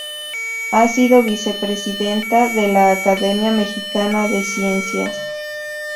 Ha sido vicepresidenta de la Academia Mexicana de Ciencias.